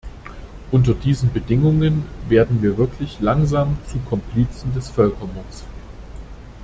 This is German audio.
Unter diesen Bedingungen werden wir wirklich langsam zu Komplizen des Völkermords.